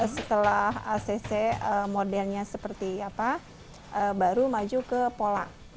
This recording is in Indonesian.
setelah acc modelnya seperti apa baru maju ke pola